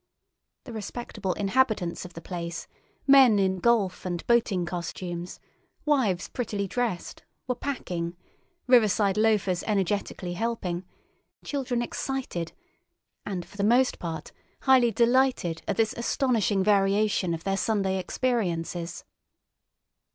The respectable inhabitants of the place, men in golf and boating costumes, wives prettily dressed, were packing, river side loafers energetically helping, children excited, and, for the most part, highly delighted at this astonishing variation of their Sunday experiences.